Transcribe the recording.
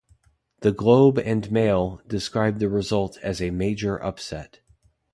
"The Globe and Mail" described the result as a "major upset".